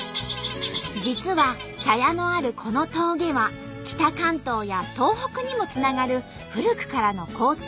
実は茶屋のあるこの峠は北関東や東北にもつながる古くからの交通の要衝。